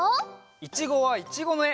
「いちごはいちご」のえ。